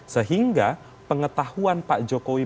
sehingga pengetahuan pak jokowi